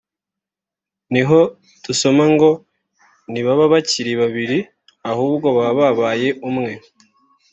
niho dusoma ngo “ntibaba bakiri babiri ahubwo baba babaye umwe